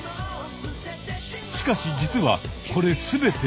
しかし実はこれ全てオス。